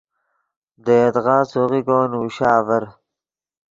دے یدغا سوغیکو نوشا آڤر